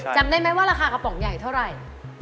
จำได้ไหมว่าราคากระป๋องใหญ่เท่าไหร่